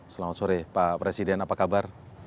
selamat sore pak presiden apa kabar